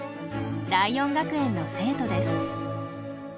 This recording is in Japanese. ライオン学園の生徒です。